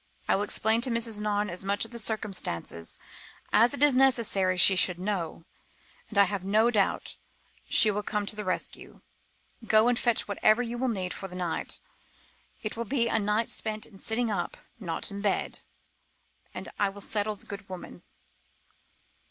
I will explain to Mrs. Nairne as much of the circumstances as it is necessary she should know, and I have no doubt she will come to the rescue. Go and fetch whatever you will need for the night; it will be a night spent in sitting up, not in bed; and I will settle with the good woman."